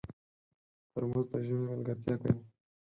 ترموز د ژمي ملګرتیا کوي.